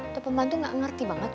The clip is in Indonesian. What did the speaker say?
tepeng madu gak ngerti banget